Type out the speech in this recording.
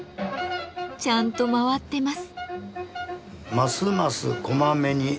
ちゃんと回ってます。